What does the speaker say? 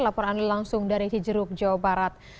laporan langsung dari cijeruk jawa barat